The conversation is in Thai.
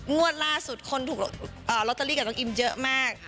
งวดล่าสุดคนถูกลอตเตอรี่กับน้องอิมเยอะมาก